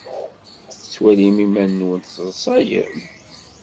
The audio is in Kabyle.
Tettwalim iman-nwen tesseḍsayem?